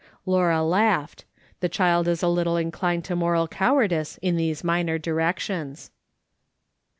Laura laughed. The child is a little inclined to moral cowardice in these minor directions.